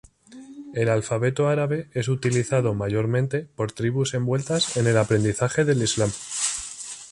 El alfabeto árabe es utilizado mayormente por tribus envueltas en el aprendizaje del Islam.